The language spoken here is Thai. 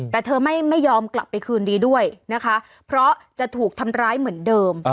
แต่เธอไม่ยอมกลับไปคืนดีด้วยนะคะเพราะจะถูกทำร้ายเหมือนเดิม